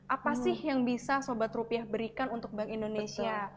apa sih yang bisa sobat rupiah berikan untuk bank indonesia